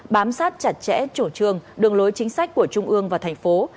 bám sát chặt chẽ chủ trương đường lối chính sách của trung ương và thành phố